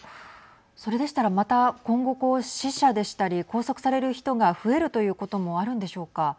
それでしたらまた今後こう死者でしたり拘束される人が増えるということもあるんでしょうか。